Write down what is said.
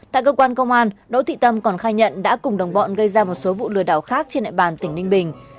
tại cơ quan công an đỗ thị tâm còn khai nhận đã cùng đồng bọn gây ra một số vụ lừa đảo khác trên đại bàn tỉnh ninh bình